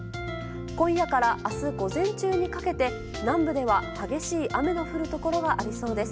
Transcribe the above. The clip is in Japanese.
今夜から明日午前中にかけて南部では激しい雨の降るところがありそうです。